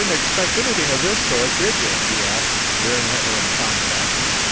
"You didn't expect anything of this sort, did you?" he asked, leering at her in clown fashion.